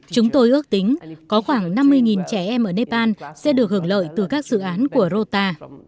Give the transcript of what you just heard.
chúng tôi ước tính có khoảng năm mươi trẻ em ở nepal sẽ được hưởng lợi từ các dự án của rota